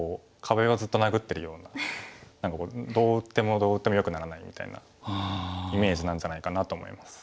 何かどう打ってもどう打ってもよくならないみたいなイメージなんじゃないかなと思います。